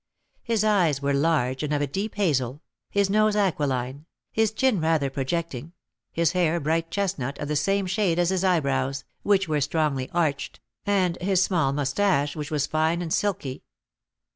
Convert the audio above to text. His eyes were large, and of a deep hazel, his nose aquiline, his chin rather projecting, his hair bright chestnut, of the same shade as his eyebrows, which were strongly arched, and his small moustache, which was fine and silky.